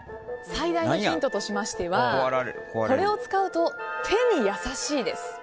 最大のヒントとしましてはこれを使うと手に優しいです。